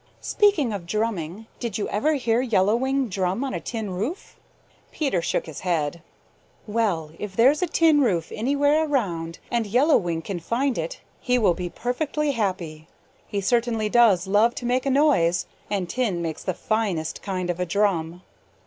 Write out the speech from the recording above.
Speaking of drumming, did you ever hear Yellow Wing drum on a tin roof?" Peter shook his head. "Well, if there's a tin roof anywhere around, and Yellow Wing can find it, he will be perfectly happy. He certainly does love to make a noise, and tin makes the finest kind of a drum."